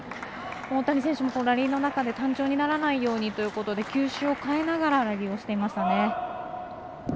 大谷選手もラリーの中で単調にならないように球種を変えながらラリーをしていましたね。